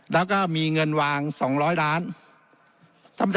แล้วก็มีเงินวาง๒๐๐ล้าน